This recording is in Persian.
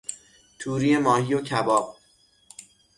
توری ماهی و کباب